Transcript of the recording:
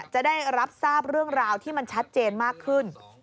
จะได้รับทราบเรื่องราวที่มันชัดเจนมากขึ้น